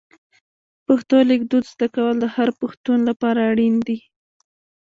پښتو لیکدود زده کول د هر پښتون لپاره اړین دي.